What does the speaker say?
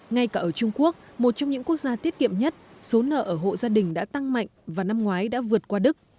ngay cả ở trung quốc một trong những quốc gia tiết kiệm nhất số nợ ở hộ gia đình đã tăng mạnh và năm ngoái đã vượt qua đức